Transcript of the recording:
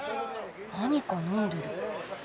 何か飲んでる。